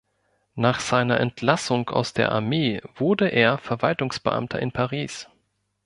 Nach seiner Entlassung aus der Armee wurde er Verwaltungsbeamter in Paris.